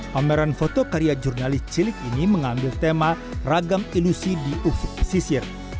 pameran foto karya jurnalis cilik ini mengambil tema ragam ilusi di ufuk pesisir